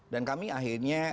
dan kami akhirnya